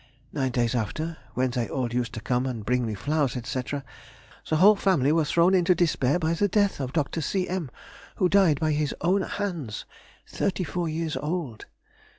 Nine days after, when they all used to come and bring me flowers, &c., the whole family were thrown into despair by the death of Dr. C. M., who died by his own hands (thirty four years old).